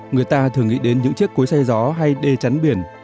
người ta thường nghĩ đến những chiếc cối xe gió hay đê chắn biển